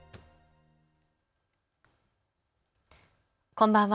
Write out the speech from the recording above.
こんばんは。